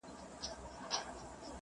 هغه غواړي چي ما په اسانۍ وغولوي.